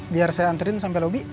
biar saya antri sampai lobi